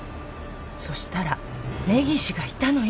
そしたら根岸がいたのよ。